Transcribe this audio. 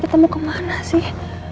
kita mau kemana sih